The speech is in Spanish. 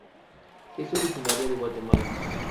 Es originaria de Guatemala.